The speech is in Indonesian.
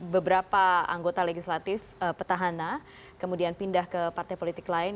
beberapa anggota legislatif petahana kemudian pindah ke partai politik lain